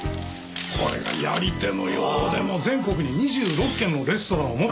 これがやり手のようでもう全国に２６軒のレストランを持ってます。